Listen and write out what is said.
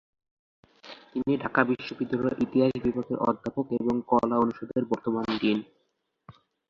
তিনি ঢাকা বিশ্ববিদ্যালয়ের ইতিহাস বিভাগের অধ্যাপক এবং কলা অনুষদের বর্তমান ডিন।